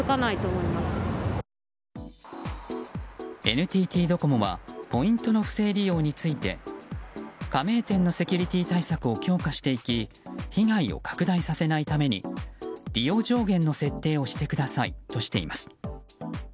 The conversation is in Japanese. ＮＴＴドコモはポイントの不正利用について加盟店のセキュリティー対策を強化していき被害を拡大させないために利用上限の設定をしてくださいとしています。